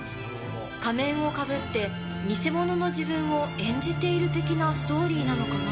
仮面をかぶって偽物の自分を演じている的なストーリーなのかな。